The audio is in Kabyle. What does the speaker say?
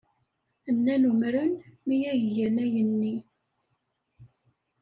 Nnan umren mi ay gan ayen-nni.